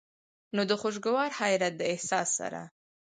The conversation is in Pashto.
نو د خوشګوار حېرت د احساس سره